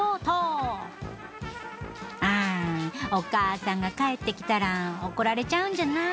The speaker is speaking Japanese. あお母さんが帰ってきたら怒られちゃうんじゃない？